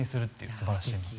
すばらしい。